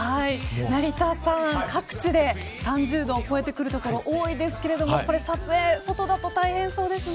成田さん各地で３０度を超えてくる所多いですけれども撮影、外だと大変そうですね。